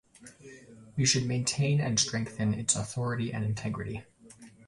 We should maintain and strengthen its authority and integrity.